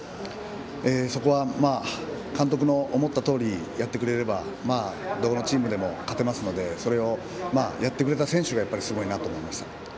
そこは監督の思ったとおりやってくれればどこのチームでも勝てますのでそれをやってくれた選手がすごいなと思いました。